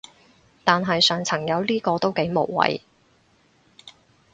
但係上層有呢個都幾無謂